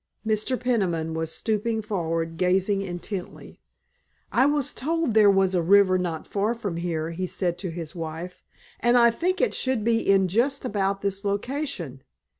Mr. Peniman was stooping forward gazing intently. "I was told that there was a river not far from here," he said to his wife, "and I think it should be in just about this location.